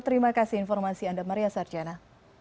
terima kasih informasi anda maria sarjana